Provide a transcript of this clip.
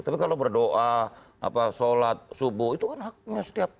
tapi kalau berdoa sholat subuh itu kan haknya setiap